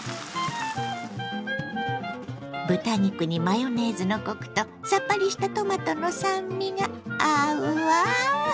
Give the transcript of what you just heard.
豚肉にマヨネーズのコクとさっぱりしたトマトの酸味が合うわ。